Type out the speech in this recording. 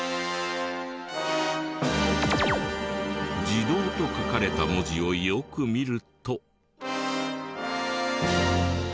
「自動」と書かれた文字をよく見ると。